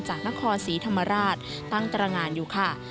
จากนครศรีธรรมราชตั้งตรงานอยู่ค่ะ